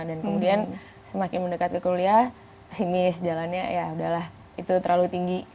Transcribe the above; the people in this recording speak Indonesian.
dan kemudian semakin mendekat ke kuliah pesimis jalannya ya udahlah itu terlalu tinggi